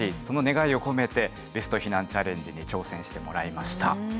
その願いを込めてベスト避難チャレンジに挑戦してもらいました。